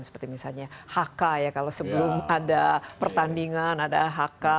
seperti misalnya hk ya kalau sebelum ada pertandingan ada hk